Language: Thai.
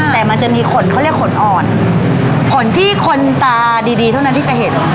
แต่มันจะมีขนเขาเรียกขนอ่อนขนที่คนตาดีดีเท่านั้นที่จะเห็น